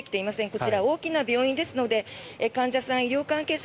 こちら、大きな病院ですので患者さん、医療関係者